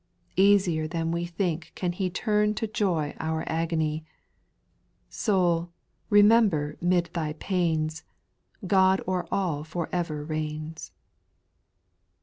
' Easier than we think can He Turn to joy our agony ; Soul, remember 'mid thy pains, God o'er all for ever reigns